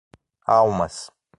Almas